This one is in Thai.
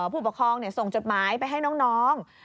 ผู้ปกครองส่งจดหมายไปให้น้อง